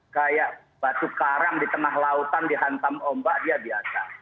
kayak batu karang di tengah lautan dihantam ombak dia biasa